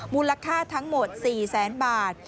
มูลค่าทั้งหมด๔๐๐๐๐๐บาท